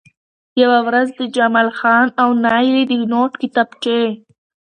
يوه ورځ د جمال خان او نايلې د نوټ کتابچې